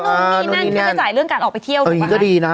ในรูปนี้นั่นใช้ไปสายเรื่องการออกไปที่เที่ยวถูกมะฮะอันนี้ก็ดีนะ